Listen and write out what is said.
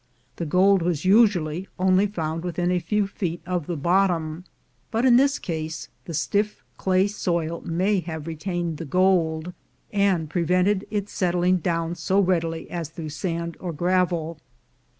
The gold was usually only found within a few feet of the bottom, but in this case the stiff clay soil may have retained the gold, and prevented its settling down so readily as through sand or gravel.